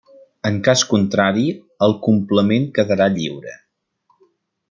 En cas contrari, el complement quedarà lliure.